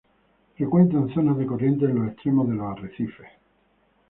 Frecuentan zonas de corrientes en los extremos de los arrecifes.